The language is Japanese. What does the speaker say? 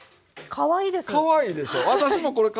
かわいいですね。